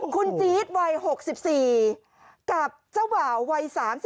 คุณจี๊ดวัย๖๔กับเจ้าบ่าววัย๓๔